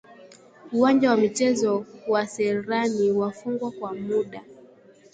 Uwanja wa Michezo wa Serani wafungwa kwa muda